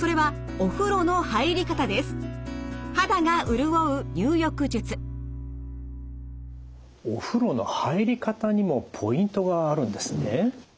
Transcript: お風呂の入り方にもポイントがあるんですね。